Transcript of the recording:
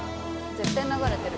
絶対流れてる。